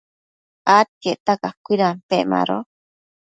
adquiecta cacuidampec mado